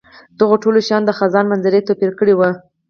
دغو ټولو شیانو د خزان منظرې توپیر کړی وو.